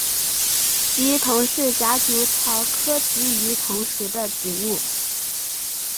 鲫鱼藤是夹竹桃科鲫鱼藤属的植物。